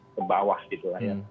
ke bawah gitu